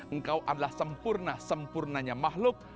engkau adalah sempurna sempurnanya makhluk